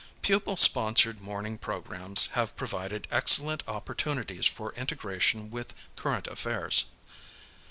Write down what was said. Pupil sponsored morning programs have provided excellent opportunities for integration with current affairs.